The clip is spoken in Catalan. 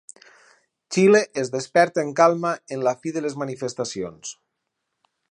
Xile es desperta en calma amb la fi de les manifestacions